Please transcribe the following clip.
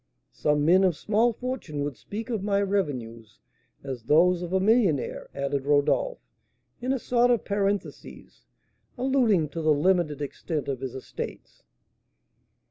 Some men of small fortune would speak of my revenues as those of a millionaire," added Rodolph, in a sort of parenthesis, alluding to the limited extent of his estates.